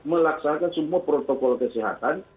melaksanakan semua protokol kesehatan